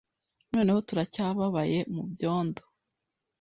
Noneho turacyababaye mubyondo